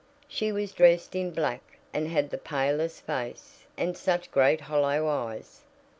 She was dressed in black, and had the palest face, and such great hollow eyes.